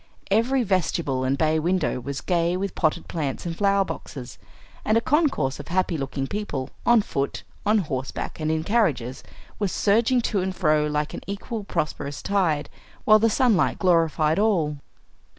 Every vestibule and bay window was gay with potted plants and flower boxes; and a concourse of happy looking people, on foot, on horseback, and in carriages, was surging to and fro like an equal, prosperous tide, while the sunlight glorified all.